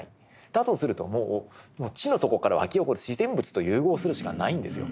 だとするともう地の底からわき起こる自然物と融合するしかないんですよ。